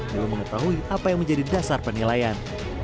belum mengetahui apa yang menjadi dasar penilaian